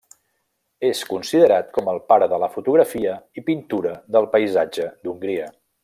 És considerat com el pare de la fotografia i pintura del paisatge d'Hongria.